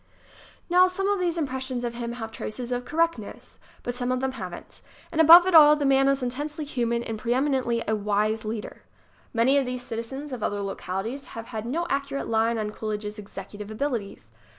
HAVE FAITH IN COOLIDGE! E ┬½S Now, some of these impressions of him have traces of correctness. But some of them haven't. And, above it all, the man is intensely human and preem inently a wise leader. Many of these citizens of other localities have ha i no accurate line on Coolidge's executive abilities.